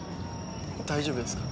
大丈夫ですか？